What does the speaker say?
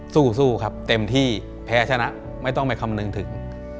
สู้ครับเต็มที่แพ้ชนะไม่ต้องไปคำนึงถึง